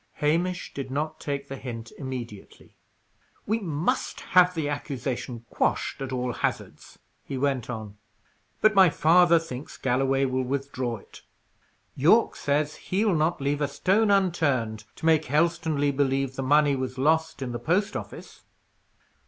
Hamish did not take the hint immediately. "We must have the accusation quashed at all hazards," he went on. "But my father thinks Galloway will withdraw it. Yorke says he'll not leave a stone unturned to make Helstonleigh believe the money was lost in the post office."